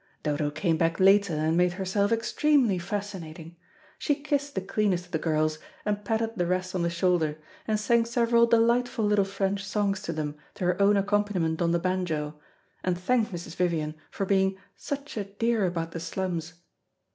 Dodo came back later and made herself extremely fascinating. She kissed the cleanest of the girls, and patted the rest on the shoulder, and sang several delightful little French songs to them to her own accompaniment on the banjo, and thanked Mrs. Vivian for being "such a dear about the slums."